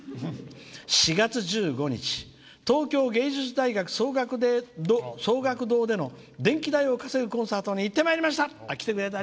「４月１５日、東京藝術大学奏楽堂での電気代を稼ぐコンサートに行ってきました！